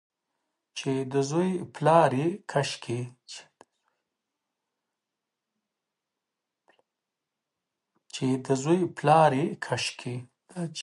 چې د زوی پلا یې کاشکي،